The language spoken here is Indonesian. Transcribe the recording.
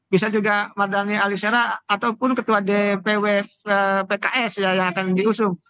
bisa juga mardani alisera ataupun ketua dpw pks yang akan diusung